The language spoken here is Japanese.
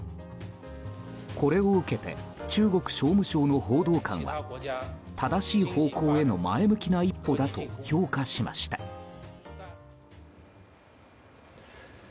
これを受けて、中国商務省の報道官は正しい方向への前向きな一歩だと評価しました。